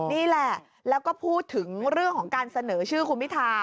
นี่แหละแล้วก็พูดถึงเรื่องของการเสนอชื่อคุณพิธา